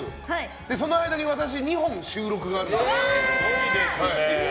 その間に、私２本収録があるので。